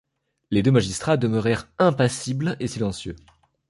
Les deux magistrats demeurèrent impassibles et silencieux.